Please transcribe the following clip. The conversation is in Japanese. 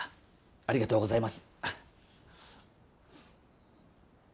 ありがとうございます。